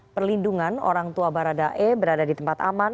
perlindungan orang tua barada e berada di tempat aman